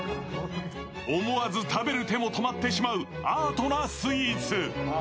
思わず食べる手も止まってしまうアートなスイーツ。